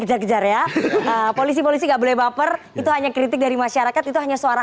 kejar kejar ya polisi polisi nggak boleh baper itu hanya kritik dari masyarakat itu hanya suara